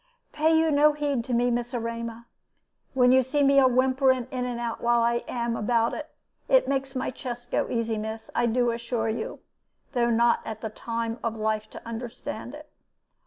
"Pay you no heed to me, Miss Erema, when you see me a whimpering in and out while I am about it. It makes my chest go easy, miss, I do assure you, though not at the time of life to understand it.